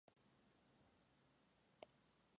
Nació en Trujillo.